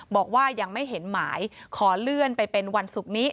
บอกว่ายังไม่เห็นหมายขอเลื่อนไปเป็นวันศุกร์นี้